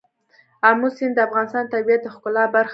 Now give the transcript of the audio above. آمو سیند د افغانستان د طبیعت د ښکلا برخه ده.